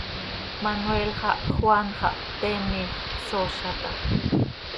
Manuel xah, Juan xah, pte miifp, sooza taa.